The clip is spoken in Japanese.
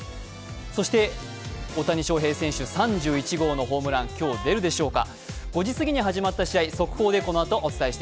そして大谷翔平選手３１号のホームラン、今日出るでしょうか。